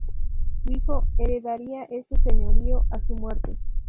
Su hijo heredaría este señorío a su muerte.